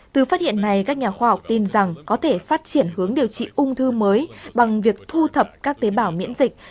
từ phát hiện này các nhà khoa học tin rằng có thể phát triển hướng điều trị ung thư mới bằng việc thu thập các tế bào miễn dịch